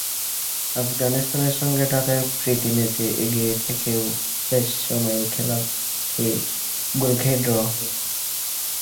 আফগানিস্তানের সঙ্গে ঢাকায় প্রীতি ম্যাচে এগিয়ে থেকেও শেষ সময়ে গোল খেয়ে ড্র।